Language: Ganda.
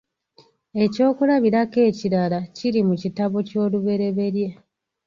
Ekyokulabirako ekirala kiri mu kitabo ky'Olubereberye.